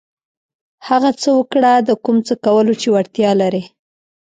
هغه څه وکړه د کوم څه کولو چې وړتیا لرئ.